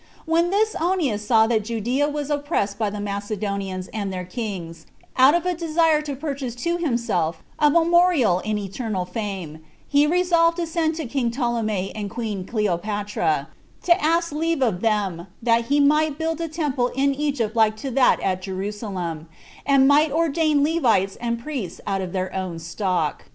When this Onias saw that Judea was oppressed by the Macedonians and their kings, out of a desire to purchase to himself a memorial and eternal fame he resolved to send to king Ptolemy and queen Cleopatra, to ask leave of them that he might build a temple in Egypt like to that at Jerusalem, and might ordain Levites and priests out of their own stock.